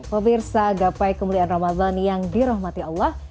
pemirsa gapai kemuliaan ramadan yang dirahmati allah